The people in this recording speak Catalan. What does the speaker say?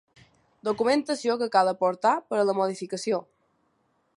Documentació que cal aportar per a la modificació.